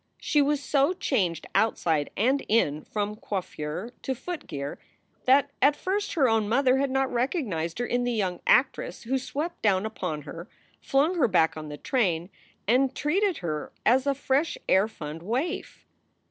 She was so changed outside and in, from coiffure to foot gear, that at first her own mother had not recognized her in the young actress who swept down upon her, flung her back on the train, and treated her as a fresh air fund waif.